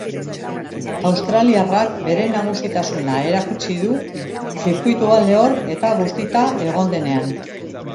Australiarrak bere nagusitasuna erakutsi du zirkuitua lehor eta bustita egon denean.